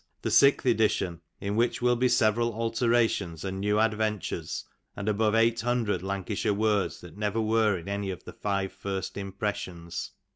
'' The sixth edition, in which will be several ^' alterations and new adventures, and above eight hundred Lanca '' shire words that never were in any of the five first impressions.